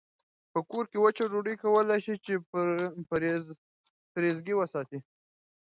په کور کې وچه ډوډۍ کولای شئ چې په فریزر کې وساتئ.